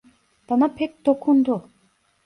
Bana pek dokundu.